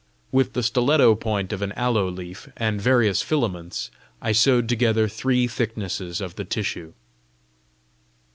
With the stiletto point of an aloe leaf and various filaments, I sewed together three thicknesses of the tissue.